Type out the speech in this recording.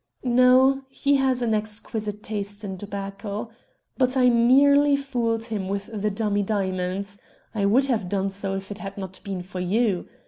"No, he has an exquisite taste in tobacco. But I nearly fooled him with the dummy diamonds. I would have done so if it had not been for you.